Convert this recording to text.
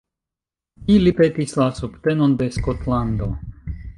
Ili petis la subtenon de Skotlando.